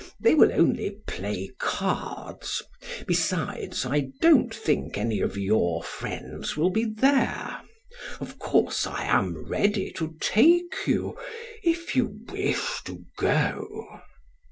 They will only play cards; besides, I don't think any of your friends will be there. Of course, I am ready to take you, if you wish to go."